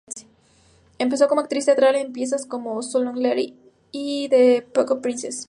Empezó como actriz teatral en piezas como "So Long Letty" y "The Peacock Princess".